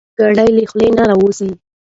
ګړه له خولې نه راوځي.